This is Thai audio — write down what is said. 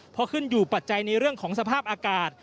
พอขึ้นอยู่ปัจจัยในเรื่องของสภาพอากาศ